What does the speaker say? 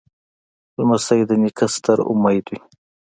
لمسی د نیکه ستر امید وي.